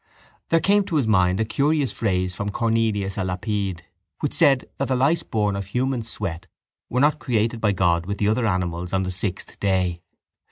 There came to his mind a curious phrase from Cornelius a Lapide which said that the lice born of human sweat were not created by God with the other animals on the sixth day.